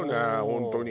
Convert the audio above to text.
本当に。